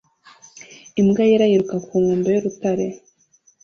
Imbwa yera yiruka ku nkombe y'urutare